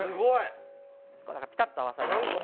ピタっと合わさりますね。